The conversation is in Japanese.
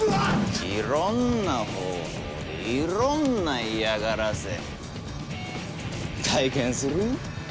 いろんな方法でいろんな嫌がらせ体験する？